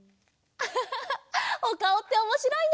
アハハハおかおっておもしろいね。